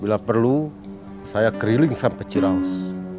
bila perlu saya keliling sampai ciraus